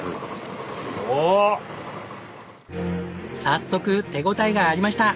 早速手応えがありました。